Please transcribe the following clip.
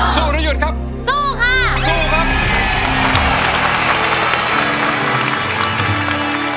หรือหยุดครับสู้ค่ะสู้ครับ